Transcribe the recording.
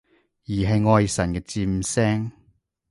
而係愛神嘅箭聲？